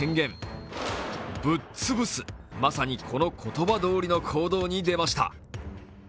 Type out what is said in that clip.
まさにこの言葉どおりの行動に出ました。